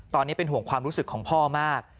ตอนนี้เป็นห่วงความรู้สึกของพ่อมาก